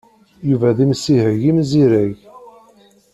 Yuba d imsihel imzireg.